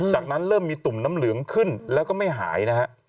จากนั้นเริ่มมีตุ่มน้ำเหลืองขึ้นแล้วก็ไม่หายนะฮะ